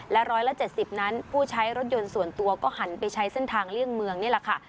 ๑๗๐นั้นผู้ใช้รถยนต์ส่วนตัวก็หันไปใช้เส้นทางเลี่ยงเมืองนี่แหละค่ะ